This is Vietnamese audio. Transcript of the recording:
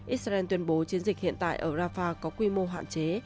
israel tuyên bố chiến dịch hiện tại ở rafah có quy mô hạn chế